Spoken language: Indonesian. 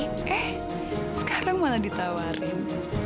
eh sekarang malah ditawarin